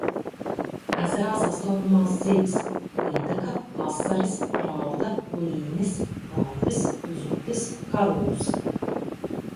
Ezerā sastopamās zivis: līdaka, asaris, rauda, līnis, plaudis, zutis, karūsa.